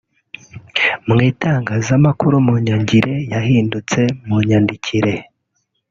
Mu itangazamakuru munyangire yahindutse munyandikire